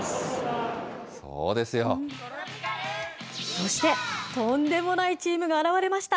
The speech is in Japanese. そして、とんでもないチームが現れました。